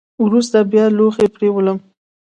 وروسته بیا لوښي پرېولم .